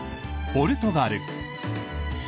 ポルトガル。